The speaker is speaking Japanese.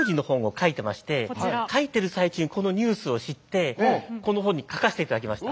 書いている最中にこのニュースを知ってこの本に書かせていただきました。